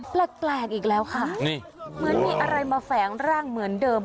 แปลกอีกแล้วค่ะเหมือนมีอะไรมาแฝงร่างเหมือนเดิม